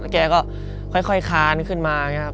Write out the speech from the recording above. แกก็ค่อยคานขึ้นมาอย่างนี้ครับ